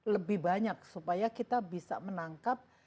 lebih banyak supaya kita bisa menangkap